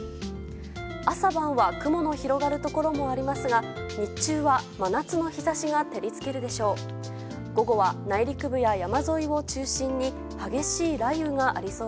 朝晩は雲の広がるところもありますが日中は真夏の日差しが照り付けるでしょう。